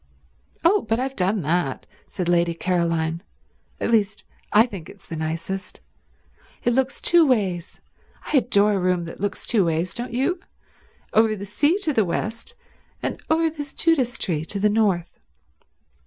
"Oh, but I've done that," said Lady Caroline. "At least, I think it's the nicest. It looks two ways—I adore a room that looks two ways, don't you? Over the sea to the west, and over this Judas tree to the north."